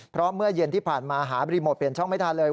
เพราะเมื่อเย็นที่ผ่านมาหารีโมทเปลี่ยนช่องไม่ทันเลย